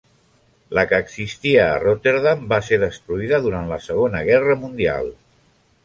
La que existia en Rotterdam va ser destruïda durant la Segona Guerra Mundial.